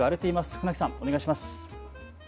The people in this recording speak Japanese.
船木さん、お願いします。